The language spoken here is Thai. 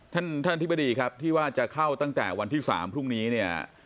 ท่านท่านอธิบดีครับที่ว่าจะเข้าตั้งแต่วันที่๓พรุ่งนี้เนี่ย